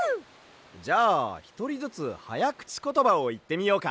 じゃあひとりずつはやくちことばをいってみようか。